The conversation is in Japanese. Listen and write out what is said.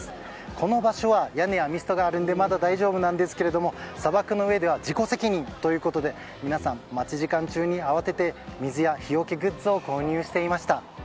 この場所は屋根やミストがあるんでまだ大丈夫なんですが砂漠の上では自己責任ということで皆さん、待ち時間中に慌てて水や日よけグッズを購入していました。